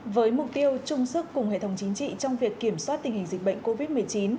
với mục tiêu chung sức cùng hệ thống chính trị trong việc kiểm soát tình hình dịch bệnh covid một mươi chín